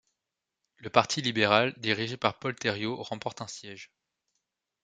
Le Parti libéral, dirigé par Paul Thériault, remporte un siège.